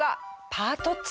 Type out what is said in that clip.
パート２。